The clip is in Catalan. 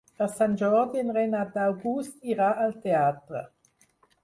Per Sant Jordi en Renat August irà al teatre.